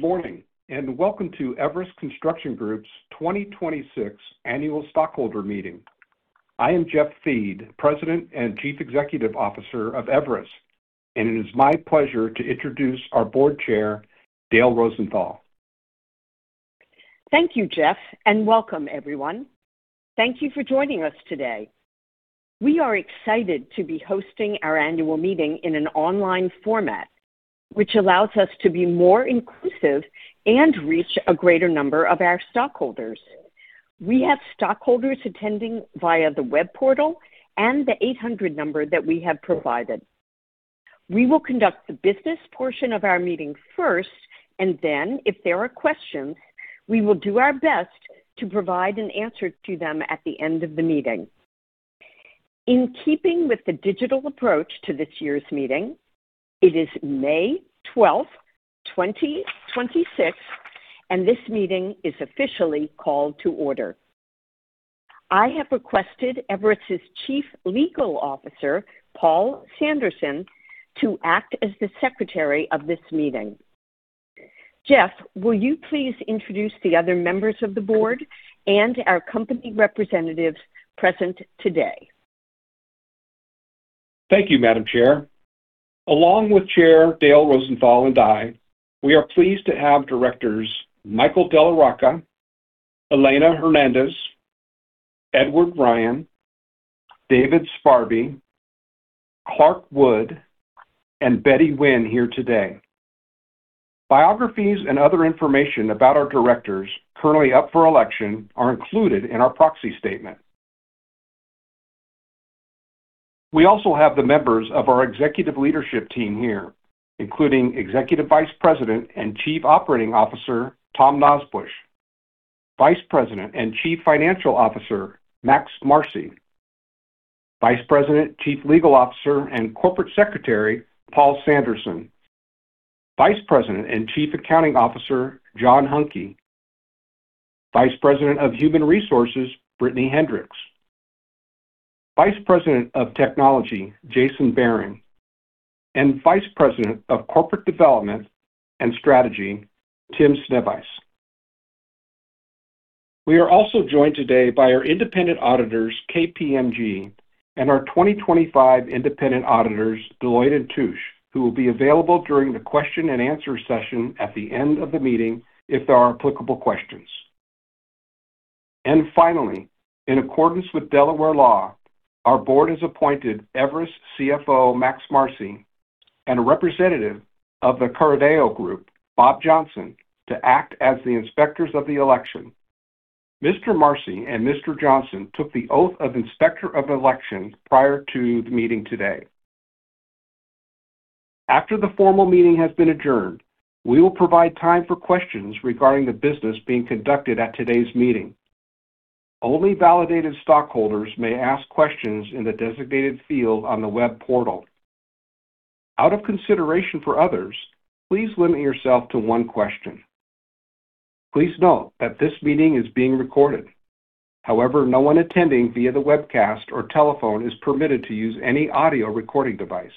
Good morning, and welcome to Everus Construction Group's 2026 Annual Stockholder Meeting. I am Jeffrey Thiede, President and Chief Executive Officer of Everus, and it is my pleasure to introduce our Board Chair, Dale Rosenthal. Thank you, Jeff, and welcome everyone. Thank you for joining us today. We are excited to be hosting our annual meeting in an online format, which allows us to be more inclusive and reach a greater number of our stockholders. We have stockholders attending via the web portal and the 800 number that we have provided. We will conduct the business portion of our meeting first, and then if there are questions, we will do our best to provide an answer to them at the end of the meeting. In keeping with the digital approach to this year's meeting, it is May 12, 2026, and this meeting is officially called to order. I have requested Everus's Chief Legal Officer, Paul Sanderson, to act as the secretary of this meeting. Jeff, will you please introduce the other members of the board and our company representatives present today? Thank you, Madam Chair. Along with Chair Dale Rosenthal and I, we are pleased to have directors Michael Della Rocca, Helena Hernandez, Edward Ryan, David Sparby, Clark Wood, and Betty Winn here today. Biographies and other information about our directors currently up for election are included in our proxy statement. We also have the members of our executive leadership team here, including Executive Vice President and Chief Operating Officer Thomas Nosbusch, Vice President and Chief Financial Officer Maximillian Marcy, Vice President, Chief Legal Officer, and Corporate Secretary Paul Sanderson, Vice President and Chief Accounting Officer Jon Hunke, Vice President of Human Resources Britney Hendricks, Vice President of Technology Jason Behring, and Vice President of Corporate Development and Strategy Timothy Sznewajs. We are also joined today by our independent auditors, KPMG, and our 2025 independent auditors, Deloitte & Touche, who will be available during the question and answer session at the end of the meeting if there are applicable questions. Finally, in accordance with Delaware law, our board has appointed Everus CFO Maximillian Marcy and a representative of the Carideo Group, Bob Johnson, to act as the Inspector of Election. Mr. Maximillian Marcy and Mr. Johnson took the oath of Inspector of Election prior to the meeting today. After the formal meeting has been adjourned, we will provide time for questions regarding the business being conducted at today's meeting. Only validated stockholders may ask questions in the designated field on the web portal. Out of consideration for others, please limit yourself to one question. Please note that this meeting is being recorded. However, no one attending via the webcast or telephone is permitted to use any audio recording device.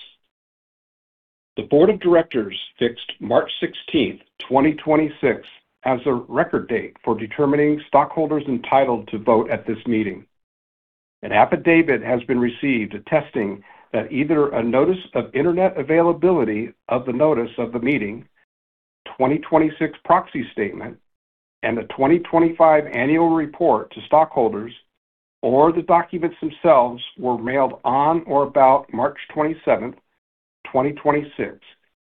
The board of directors fixed March 16, 2026 as the record date for determining stockholders entitled to vote at this meeting. An affidavit has been received attesting that either a notice of internet availability of the notice of the meeting, 2026 proxy statement, and the 2025 annual report to stockholders or the documents themselves were mailed on or about March 27, 2026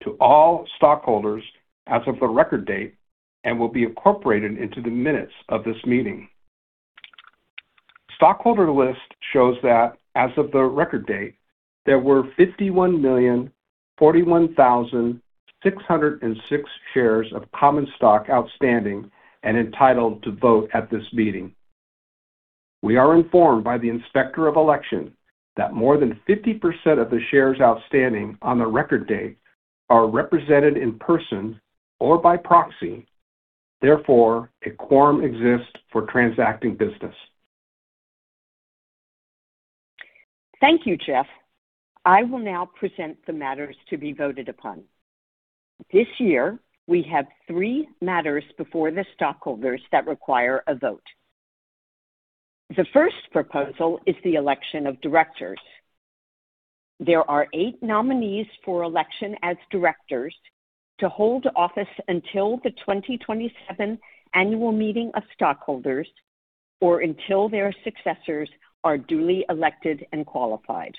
to all stockholders as of the record date and will be incorporated into the minutes of this meeting. Stockholder list shows that as of the record date, there were 51,041,606 shares of common stock outstanding and entitled to vote at this meeting. We are informed by the Inspector of Election that more than 50% of the shares outstanding on the record date are represented in person or by proxy. Therefore, a quorum exists for transacting business. Thank you, Jeff. I will now present the matters to be voted upon. This year, we have 3 matters before the stockholders that require a vote. The first proposal is the election of directors. There are 8 nominees for election as directors to hold office until the 2027 annual meeting of stockholders or until their successors are duly elected and qualified.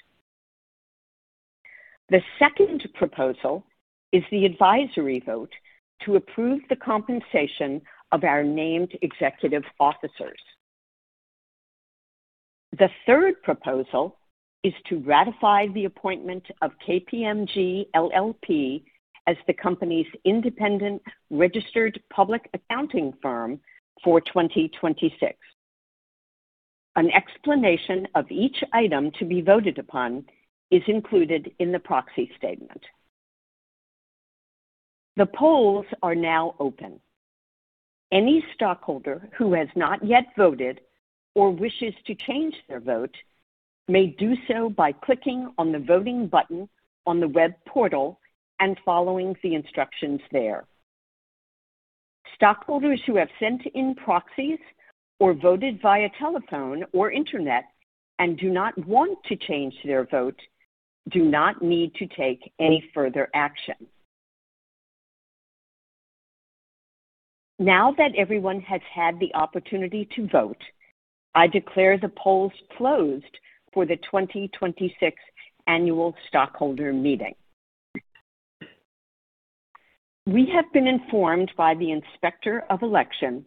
The second proposal is the advisory vote to approve the compensation of our named executive officers. The third proposal is to ratify the appointment of KPMG LLP as the company's independent registered public accounting firm for 2026. An explanation of each item to be voted upon is included in the proxy statement. The polls are now open. Any stockholder who has not yet voted or wishes to change their vote may do so by clicking on the voting button on the web portal and following the instructions there. Stockholders who have sent in proxies or voted via telephone or internet and do not want to change their vote do not need to take any further action. Now that everyone has had the opportunity to vote, I declare the polls closed for the 2026 annual stockholder meeting. We have been informed by the Inspector of Election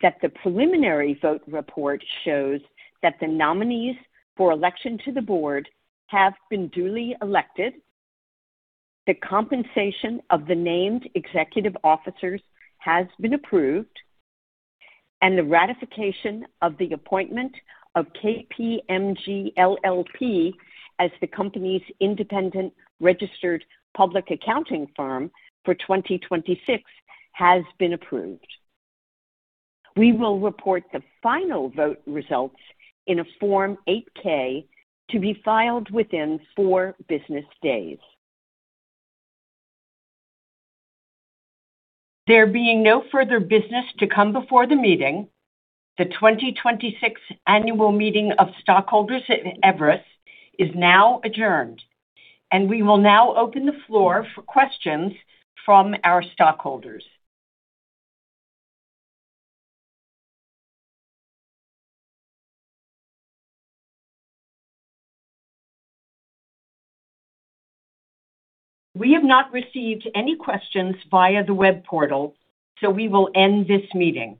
that the preliminary vote report shows that the nominees for election to the board have been duly elected, the compensation of the named executive officers has been approved, and the ratification of the appointment of KPMG LLP as the company's independent registered public accounting firm for 2026 has been approved. We will report the final vote results in a Form 8-K to be filed within four business days. There being no further business to come before the meeting, the 2026 annual meeting of stockholders at Everus is now adjourned, and we will now open the floor for questions from our stockholders. We have not received any questions via the web portal, so we will end this meeting.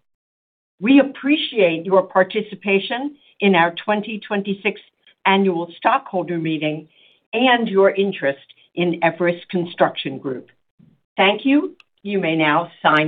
We appreciate your participation in our 2026 annual stockholder meeting and your interest in Everus Construction Group. Thank you. You may now sign off.